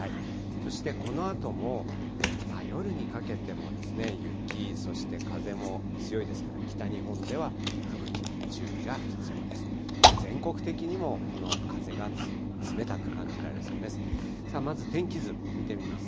そしてこのあとも、夜にかけても雪、そして風も強いですから北日本では吹雪に注意が必要です。